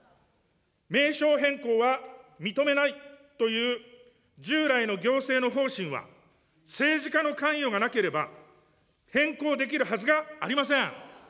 名称変更は認めないという従来の行政の方針は、政治家の関与がなければ、変更できるはずがありません。